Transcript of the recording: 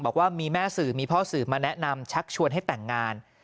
บอกว่ามีแม่สื่อมีพ่อสื่อมาแนะนำชักชวนให้แต่งงาน